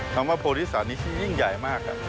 เพราะว่าโพธิสัตว์นี้ชีวิตยิ่งใหญ่มาก